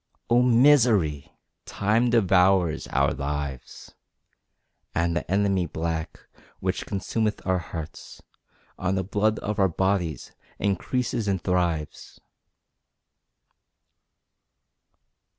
Oh misery! Time devours our lives, And the enemy black, which consumeth our hearts On the blood of our bodies, increases and thrives!